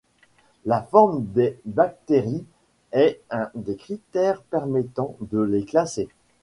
La forme des bactéries est un des critères permettant de les classer.